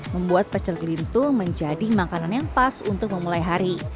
membuat pecel gelintung menjadi makanan yang pas untuk memulai hari